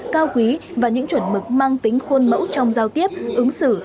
cao quý và những chuẩn mực mang tính khuôn mẫu trong giao tiếp ứng xử